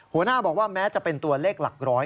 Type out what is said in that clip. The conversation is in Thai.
หัวหน้าบอกว่าแม้จะเป็นตัวเลขหลักร้อย